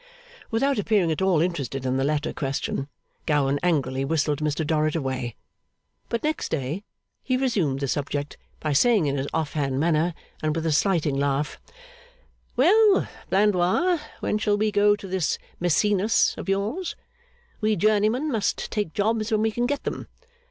Without appearing at all interested in the latter question, Gowan angrily whistled Mr Dorrit away. But, next day, he resumed the subject by saying in his off hand manner and with a slighting laugh, 'Well, Blandois, when shall we go to this Maecenas of yours? We journeymen must take jobs when we can get them.